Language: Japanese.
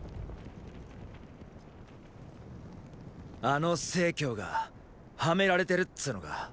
あの成がはめられてるっつーのか。